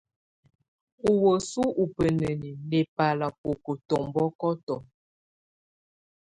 Ɔ wəsu ubeneni nɛbala boko tɔmbɔkɔtɔ.